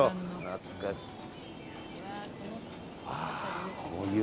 懐かしい。